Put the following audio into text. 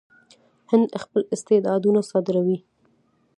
هند خپل استعدادونه صادروي.